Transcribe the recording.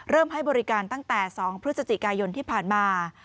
ให้บริการตั้งแต่๒พฤศจิกายนที่ผ่านมา